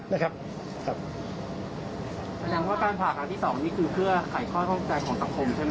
แสดงว่าการผ่าคำที่๒นี่คือเพื่อไข้คล้อยความใจของสังคม